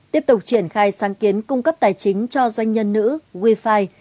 tiếp tục triển khai sáng kiến cung cấp tài chính cho doanh nhân nữ wi fi